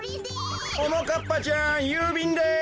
ももかっぱちゃんゆうびんです。